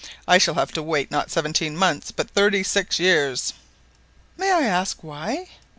I shall have to wait not seventeen months but thirty six years !" "May I ask why?"